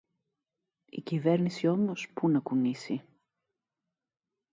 Η κυβέρνηση όμως, πού να κουνήσει!